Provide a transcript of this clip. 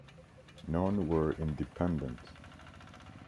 None were independent.